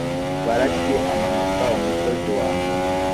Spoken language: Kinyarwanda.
baraki amanuka umusozi wambere